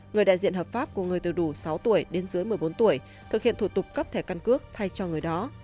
người đại diện hợp pháp của người từ đủ sáu tuổi đến dưới một mươi bốn tuổi thực hiện thủ tục cấp thẻ căn cước thay cho người đó